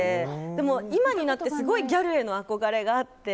でも、今になってすごいギャルへの憧れがあって。